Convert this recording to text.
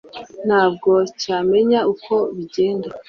ntabwo cyamenya uko bigenda